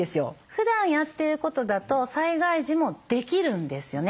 ふだんやってることだと災害時もできるんですよね。